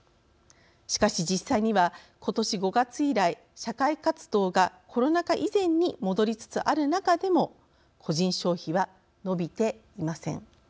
しかし実際には今年５月以来社会活動がコロナ禍以前に戻りつつある中でも個人消費は伸びていません。